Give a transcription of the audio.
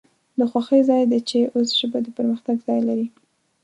د خوښۍ ځای د چې اوس ژبه د پرمختګ ځای لري